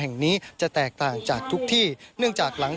แห่งนี้จะแตกต่างจากทุกที่เนื่องจากหลัง